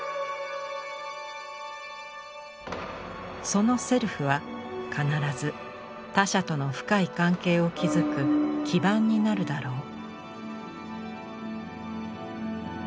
その「セルフ」は必ず他者との深い関係を築く基盤になるだろう。